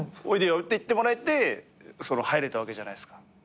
おいでよって言ってもらえて入れたわけじゃないですか。